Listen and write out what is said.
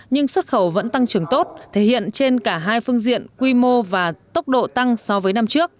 nhưng xuất khẩu vẫn tăng trưởng tốt thể hiện trên cả hai phương diện quy mô và tốc độ tăng so với năm trước